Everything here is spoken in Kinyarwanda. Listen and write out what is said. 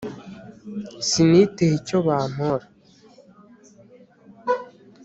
siniteye icyo bampora